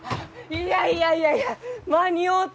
いやいやいやいや間に合うた！